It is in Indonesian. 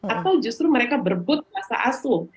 atau justru mereka berbut rasa asuh